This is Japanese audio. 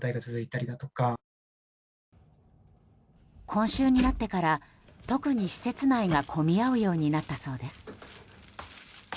今週になってから特に施設内が混み合うようになったそうです。